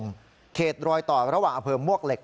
ช่วงลงเนินกลางดงเขตรอยต่อระหว่างอำเภอมวกเหล็ก